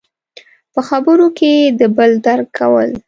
– په خبرو کې د بل درک کول.